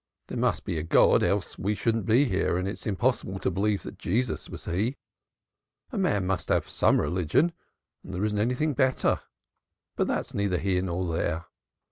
There must be a God, else we shouldn't be here, and it's impossible to believe that Jesus was He. A man must have some religion, and there isn't anything better. But that's neither here nor there.